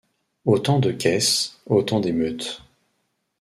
Autant de caisses, autant d’émeutes.